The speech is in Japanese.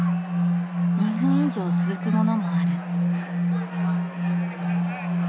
２分以上続くものもある。